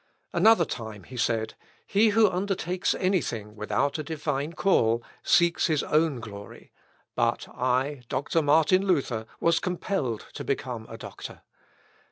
Another time he said, "He who undertakes any thing without a divine call, seeks his own glory; but I, Doctor Martin Luther, was compelled to become a doctor.